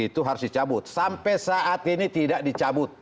itu harus dicabut sampai saat ini tidak dicabut